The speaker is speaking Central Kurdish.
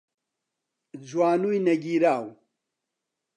جوانووی نەگیراو